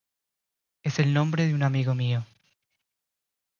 Es el nombre de un amigo mío.